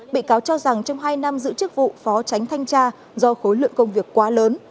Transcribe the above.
bị cáo cho rằng trong hai năm giữ chức vụ phó tránh thanh tra do khối lượng công việc quá lớn